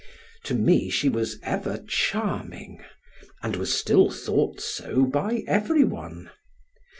To me she was ever charming, and was still thought so by everyone.